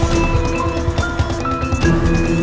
bagi nyid sweeping mereka